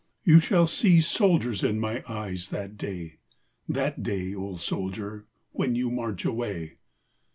You shall see soldiers in my eyes that day That day, O soldier, when you march away.